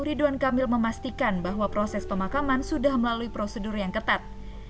ridwan kamil memastikan bahwa proses pemakaman sudah melalui prosedur yang ketat